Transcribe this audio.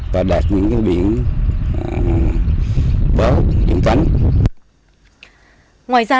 và đạt những biện pháp